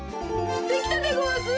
できたでごわす。